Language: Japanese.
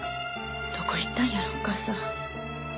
どこ行ったんやろうお母さん。